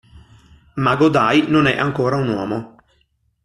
Ma Godai non è ancora un uomo.